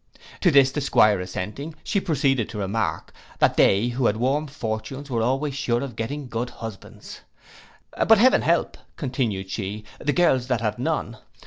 To this the 'Squire assenting, she proceeded to remark, that they who had warm fortunes were always sure of getting good husbands: 'But heaven help,' continued she, 'the girls that have none.